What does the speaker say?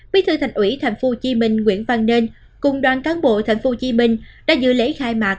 bị thư thạch ủy tp hcm nguyễn văn nênh cùng đoàn cán bộ tp hcm đã dự lễ khai mạc